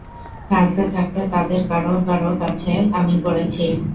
ফ্রান্সে থাকতে তাঁদের কারো কারো কাছে আমি পড়েছি।